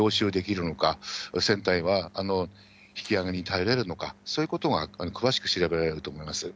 本当にようしょうできるのか、船体は引き揚げに耐えれるのか、そういうことも詳しく調べられると思います。